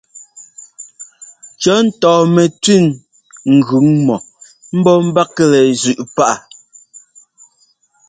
Cɔ̌ ntɔɔmɛtẅín gʉŋ mɔ ḿbɔ́ ḿbaklɛ zʉꞌ páꞌ.